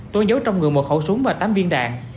tôi giấu trong người một khẩu súng và tám viên đạn